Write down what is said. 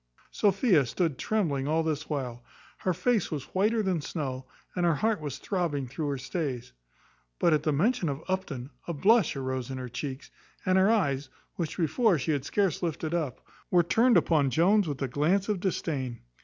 Sophia stood trembling all this while. Her face was whiter than snow, and her heart was throbbing through her stays. But, at the mention of Upton, a blush arose in her cheeks, and her eyes, which before she had scarce lifted up, were turned upon Jones with a glance of disdain.